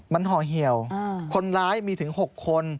มันห่อเหี่ยวคนร้ายมีถึง๖คน